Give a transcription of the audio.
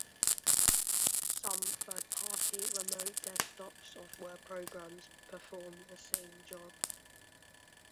Some third-party remote desktop software programs perform the same job.